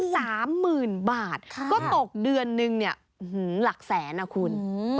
ถึง๓๐๐๐๐บาทก็ตกเดือนนึงเนี่ยหลักแสนอ่ะคุณ